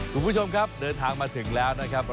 คุณผู้ชมครับเดินทางมาถึงแล้วนะครับ